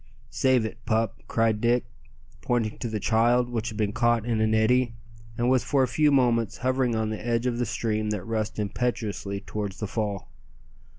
"Save it, pup," cried Dick, pointing to the child, which had been caught in an eddy, and was for a few moments hovering on the edge of the stream that rushed impetuously towards the fall.